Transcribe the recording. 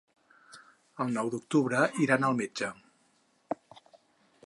El nou d'octubre iran al metge.